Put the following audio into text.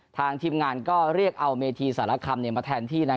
ทีมงานก็เรียกเอาเมธีสารคำมาแทนที่